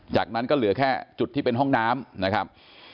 จากนั้นก็เหลือแค่จุดที่เป็นห้องน้ำนะครับ